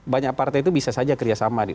banyak partai itu bisa saja kerjasama